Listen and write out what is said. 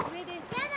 やだ。